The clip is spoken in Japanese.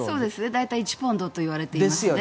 大体１ポンドと言われてますね。